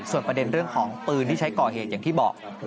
ส่วนประเด็นเรื่องของปืนที่ใช้ก่อเหตุอย่างที่บอก